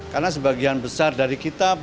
karena sebagian besar dari kita